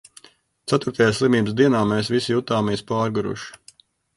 Ceturtajā slimības dienā mēs visi jutāmies pārguruši.